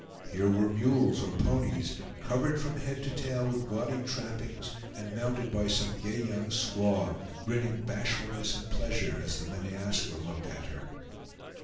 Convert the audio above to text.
Here were mules or ponies covered from head to tail with gaudy trappings, and mounted by some gay young squaw, grinning bashfulness and pleasure as the Meneaska looked at her.